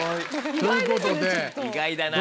意外だな。